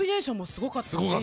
すごかった。